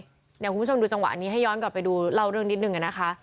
คุณผู้ชมดูจังหวะนี้ให้ย้อนกลับไปดูเล่าเรื่องนิดนึงนะคะ